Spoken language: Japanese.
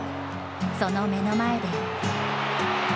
その目の前で。